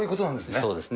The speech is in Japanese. そうですね。